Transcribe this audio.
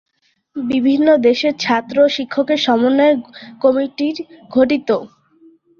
বিভিন্ন দেশের ছাত্র ও শিক্ষকের সমন্বয়ে এ কমিটি গঠিত।